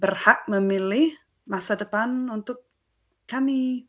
berhak memilih masa depan untuk kami